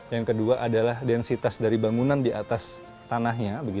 yang kedua adalah densitas dari bangunan di atas tanahnya